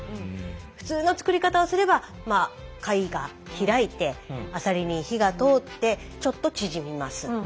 普通の作り方をすればまあ貝が開いてアサリに火が通ってちょっと縮みます。